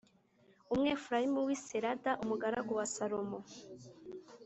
Umwefurayimu w’i Sereda umugaragu wa Salomo